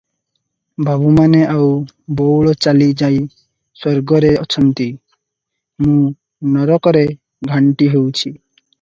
ବାବୁମାନେ ଆଉ ବଉଳ ଚାଲି ଯାଇ ସ୍ୱର୍ଗରେ ଅଛନ୍ତି, ମୁଁ ନରକରେ ଘାଣ୍ଟି ହେଉଛି ।